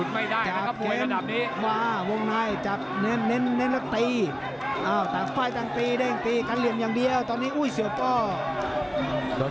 แทงอย่างนี้ทำอย่างนี้ทำเห็น